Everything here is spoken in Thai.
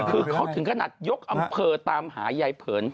คือเขาถึงขนาดยกอำเภอตามหายายเผิน